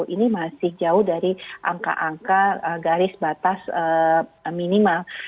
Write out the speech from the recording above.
ini masih jauh dari angka angka garis batas minimal